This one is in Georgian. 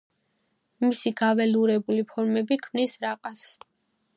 მისი გაველურებული ფორმები ქმნის რაყას.